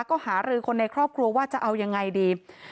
ก็หารือคนในครอบครัวว่าจะเอายังไงดี